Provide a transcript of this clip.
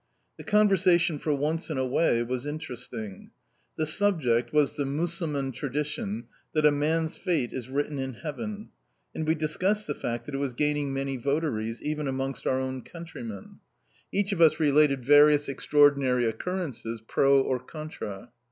The conversation, for once in a way, was interesting. The subject was the Mussulman tradition that a man's fate is written in heaven, and we discussed the fact that it was gaining many votaries, even amongst our own countrymen. Each of us related various extraordinary occurrences, pro or contra.